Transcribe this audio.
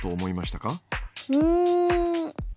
うん。